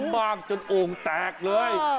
มากจนโอ่งแตกเลย